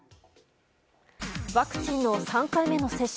ワクチンの３回目の接種。